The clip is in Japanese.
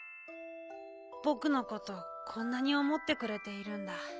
ぼくのことこんなにおもってくれているんだ。